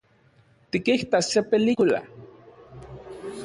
Nikitas se película